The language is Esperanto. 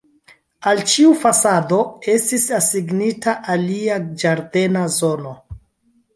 Al ĉiu fasado estis asignita alia ĝardena zono.